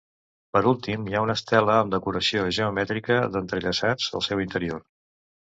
Per últim hi ha una estela amb decoració geomètrica d'entrellaçats al seu interior.